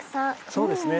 そうですね